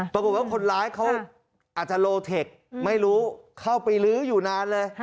ปรากฏว่าคนร้ายเขาอาจจะโลเทคไม่รู้เข้าไปลื้ออยู่นานเลย